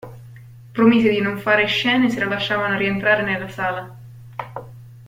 Promise di non far scene se la lasciavano rientrare nella sala.